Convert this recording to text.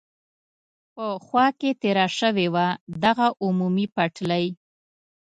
په خوا کې تېره شوې وه، دغه عمومي پټلۍ.